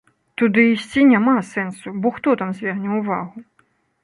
Туды ісці няма сэнсу, бо хто там зверне ўвагу?